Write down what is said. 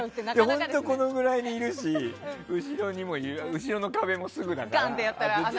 本当に、このぐらいにいるし後ろの壁もすぐだから。